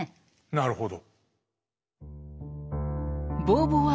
なるほど。